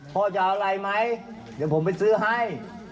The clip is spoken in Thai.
พ่อจะเอาอะไรไหมเดี๋ยวผมไปซื้อให้